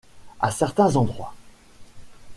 À certains endroits.